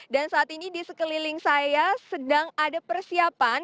dan saat ini di sekeliling saya sedang ada persiapan